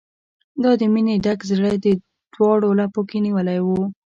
ما د مینې ډک زړه، دواړو لپو کې نیولی و